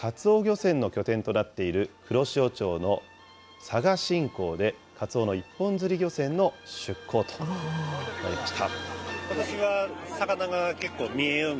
船の拠点となっている黒潮町の佐賀新港で、カツオの一本釣り漁船の出港となりました。